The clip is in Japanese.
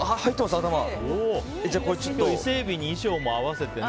伊勢海老に衣装も合わせてね。